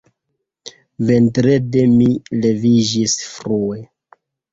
Vendrede mi leviĝis frue.